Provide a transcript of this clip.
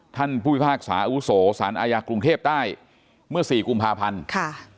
ท่านผู้พิพากษาอาวุโสสารอาญากรุงเทพใต้เมื่อสี่กุมภาพันธ์ค่ะ